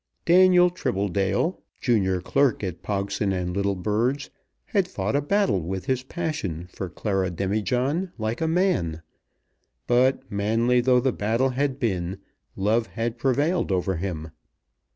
Daniel Tribbledale, junior clerk at Pogson and Littlebird's, had fought a battle with his passion for Clara Demijohn like a man; but, manly though the battle had been, Love had prevailed over him.